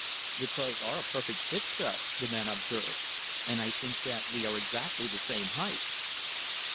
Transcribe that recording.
"The clothes are a perfect fit, sir," the man observed, "and I think that we are exactly the same height."